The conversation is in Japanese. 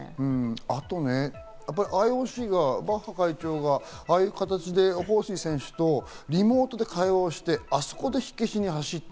あとＩＯＣがバッハ会長がああいう形でホウ・スイ選手とリモートで会話して火消しに走った。